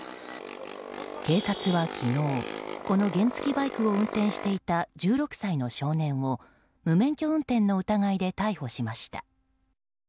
警察は昨日この原付バイクを運転していた１６歳の少年を無免許運転の疑いで逮捕しました。